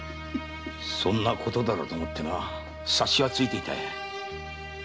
そんなことだろうと思ってな察しはついていたよ。